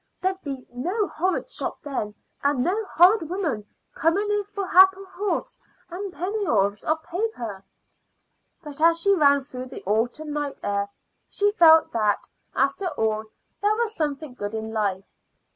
There'd be no horrid shop then, and no horrid women coming in for ha'p'orths and penn'orths of paper." But as she ran through the autumn night air she felt that, after all, there was something good in life.